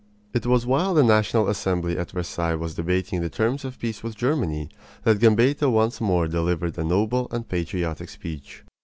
It was while the National Assembly at Versailles was debating the terms of peace with Germany that Gambetta once more delivered a noble and patriotic speech.